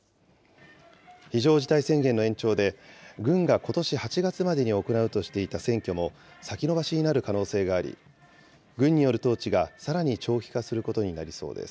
非常事態宣言の延長で、軍がことし８月までに行うとしていた選挙も、先延ばしになる可能性があり、軍による統治がさらに長期化することになりそうです。